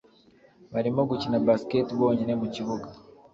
barimo gukina basket bonyine mukibuga